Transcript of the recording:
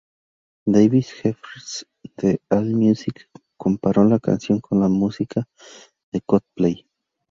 David Jeffries de "Allmusic" comparó la canción con la música de Coldplay.